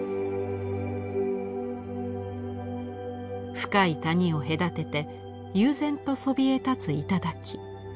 深い谷を隔てて悠然とそびえ立つ頂。